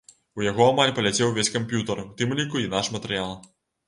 У яго амаль паляцеў увесь камп'ютар, у тым ліку і наш матэрыял.